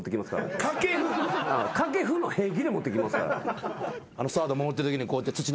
掛布の平気で持ってきますから。